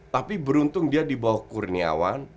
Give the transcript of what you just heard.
tapi beruntung dia di bawah kurniawan